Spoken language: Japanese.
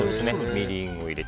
みりんを入れて。